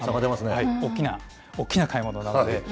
大きな、大きな買い物なので。